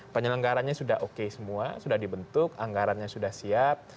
penyelenggaranya sudah oke semua sudah dibentuk anggarannya sudah siap